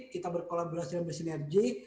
kita berkolaborasi lebih sinergi